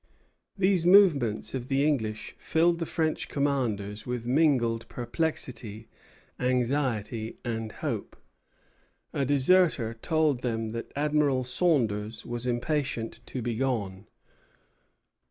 These movements of the English filled the French commanders with mingled perplexity, anxiety, and hope. A deserter told them that Admiral Saunders was impatient to be gone.